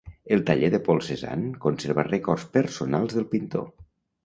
El taller de Paul Cézanne conserva records personals del pintor.